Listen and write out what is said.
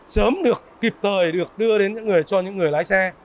sớm được kịp thời được đưa đến những người cho những người lái xe